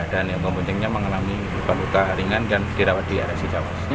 dan yang kepentingnya mengalami luka luka ringan dan dirawat di rs hijawas